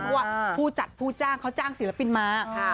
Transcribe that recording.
เพราะว่าผู้จัดผู้จ้างเขาจ้างศิลปินมา